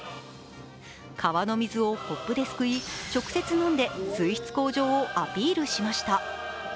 川の水をコップですくい、直接飲んで水質向上をアピールしました。